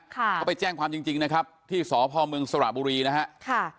เขาไปแจ้งความจริงนะครับที่สพเมืองสระบุรีนะฮะค่ะ